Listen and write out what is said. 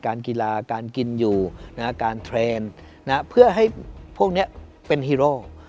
กีฬาการกินอยู่การเทรนด์เพื่อให้พวกนี้เป็นฮีโร่